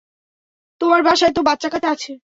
তোমার বাসায় তো বাচ্চাকাচ্চা আছে।